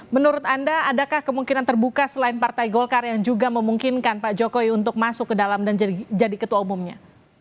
menurut anda adakah kemungkinan terbuka selain partai golkar yang juga memungkinkan pak jokowi untuk masuk ke dalam dan jadi ketua umumnya